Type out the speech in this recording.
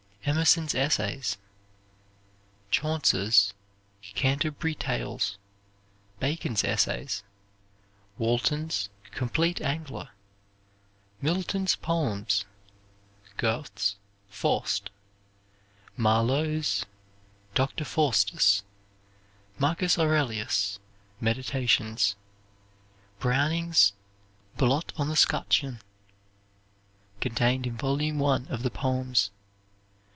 Emerson's Essays. Chaucer's "Canterbury Tales." Bacon's Essays. Walton's "Complete Angler." Milton's Poems. Goethe's "Faust." Marlowe's "Dr. Faustus." Marcus Aurelius' "Meditations." Browning's "Blot on the Scutcheon" (contained in volume one of the poems).